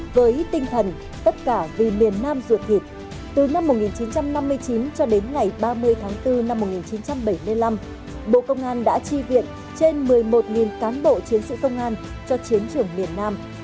với tinh thần tất cả vì miền nam ruột thịt từ năm một nghìn chín trăm năm mươi chín cho đến ngày ba mươi tháng bốn năm một nghìn chín trăm bảy mươi năm bộ công an đã chi viện trên một mươi một cán bộ chiến sĩ công an cho chiến trường miền nam